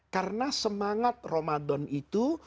karena semangat ramadan itu